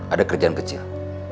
ada kerjaan kecil